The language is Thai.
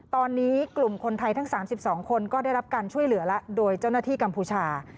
ตอนนี้กลุ่มคนไทยทั้ง๓๒คนก็ได้รับการช่วยเหลือแล้วโดยเจ้าหน้าที่กัมพูชา